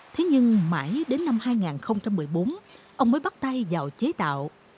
thế nhưng mãi đến năm hai nghìn một mươi bốn ông mới bắt tay vào chế tạo